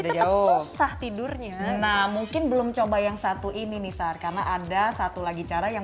udah jauh susah tidurnya nah mungkin belum coba yang satu ini nih sar karena ada satu lagi cara yang